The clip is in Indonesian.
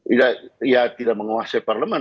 ya tidak menguasai parlemen